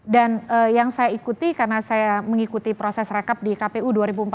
dan yang saya ikuti karena saya mengikuti proses rekap di kpu dua ribu empat belas dua ribu sembilan belas